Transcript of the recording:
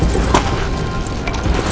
hagu tau kau pengen ke invent